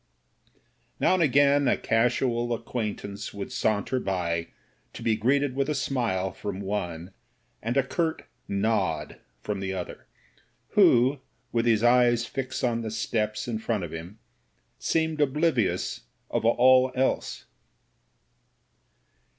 Now and again a casual acquaint ance would saunter by, to be greeted with a smile from one, and a curt nod from the other, who, with his eyes fixed on the steps in front of him, seemed oblivious of all else.